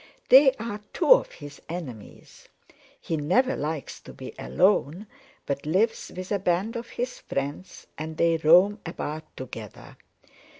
They are two of his enemies. He never likes to be alone, but lives with a band of his friends and they roam about together.